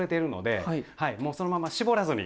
もうそのまま絞らずに。